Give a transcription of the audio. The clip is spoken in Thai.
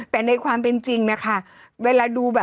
แต่ในความเป็นจริงนะคะ